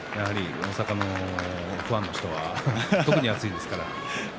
大阪のファンの人は特に熱いですから。